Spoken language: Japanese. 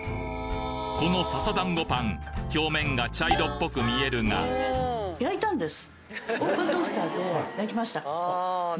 この笹だんごパン表面が茶色っぽく見えるが全然違う？